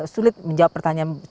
sulit menjawab pertanyaan